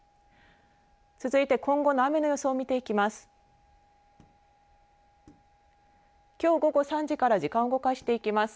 続いて今後の雨の予想を見ていきます。